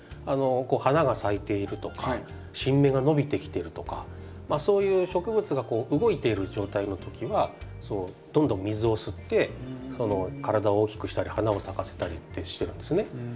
花が咲いているとか新芽が伸びてきてるとかそういう植物が動いてる状態の時はどんどん水を吸って体を大きくしたり花を咲かせたりってしてるんですね。